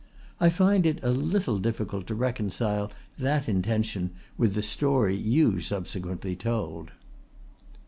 I find it a little difficult to reconcile that intention with the story you subsequently told."